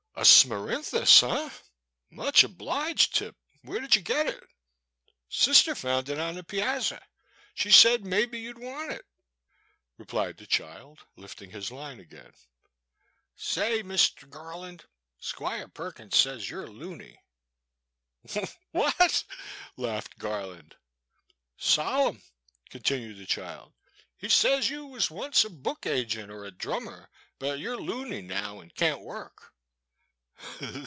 A Smerinthus, eh ? Much obliged, Tip ; where did you get it ?"" Sister found it on the piazza, — she said mebbe you 'd want it," replied the child lifting his line The Boy^s Sister. 237 again; "say, Mister Garland, Squire Perkins says you 're loony." What, '' laughed Garland. Solemn,*' continued the child, he says you was onct a book agent or a drummer, but you 're loony now and can't work."